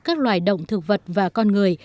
các loài động thực vật và con người